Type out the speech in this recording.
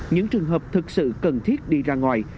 những trường hợp thực sự cần thiết đi ra ngoài